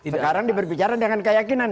sekarang diberbicara dengan keyakinan